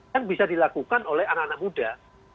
yang bisa dilakukan oleh anak anak muda